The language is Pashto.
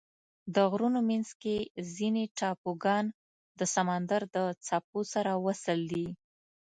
د غرونو منځ کې ځینې ټاپوګان د سمندر د څپو سره وصل دي.